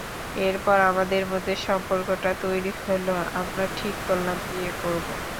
এরপর আমাদের মধ্যে সম্পর্কটা তৈরি হলো, আমরা ঠিক করলাম বিয়ে করব।